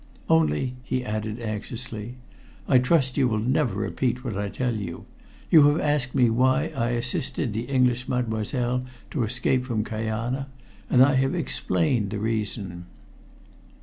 Only," he added anxiously, "I trust you will never repeat what I tell you. You have asked me why I assisted the English Mademoiselle to escape from Kajana, and I have explained the reason."